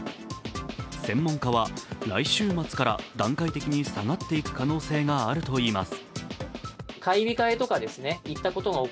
専門家は、来週末から段階的に下がっていく可能性があるといいます。